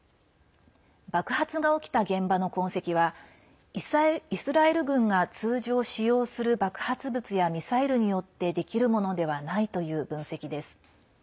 爆発が起きた現場の痕跡はイスラエル軍が通常、使用する爆発物やミサイルによってできるものではないという分析です。